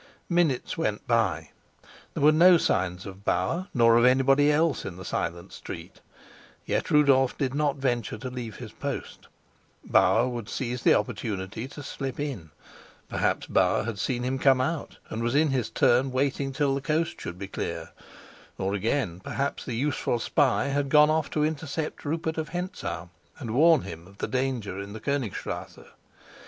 Minutes went by; there were no signs of Bauer nor of anybody else in the silent street. Yet Rudolf did not venture to leave his post; Bauer would seize the opportunity to slip in; perhaps Bauer had seen him come out, and was in his turn waiting till the coast should be clear; or, again, perhaps the useful spy had gone off to intercept Rupert of Hentzau, and warn him of the danger in the Konigstrasse.